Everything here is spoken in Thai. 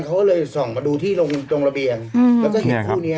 เขาก็เลยส่องมาดูที่ตรงระเบียงแล้วก็เห็นคู่นี้